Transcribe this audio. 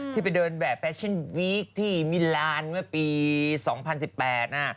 ที่ไปเดินแบบแฟชั่นวีคที่มิลานปี๒๐๑๘น่ะ